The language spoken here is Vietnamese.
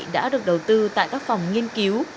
đã được đầu tư tại các phòng nghiên cứu